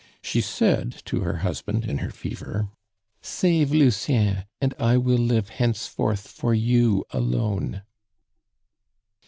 She said to her husband in her fever: "Save Lucien, and I will live henceforth for you alone."